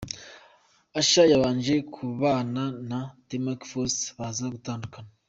Usher yabanje kubana na Tamek Foster baza gutandukana.